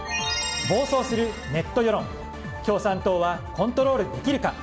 暴走するネット世論共産党はコントロールできるか。